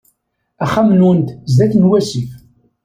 Axxam-nnunt sdat n wasif.